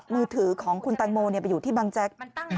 มือถือของคุณแตงโมไปอยู่ที่บังแจ๊ก